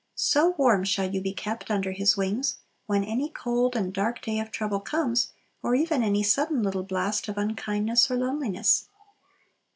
So warm shall you be kept "under His wings," when any cold and dark day of trouble comes, or even any sudden little blast of unkindness or loneliness.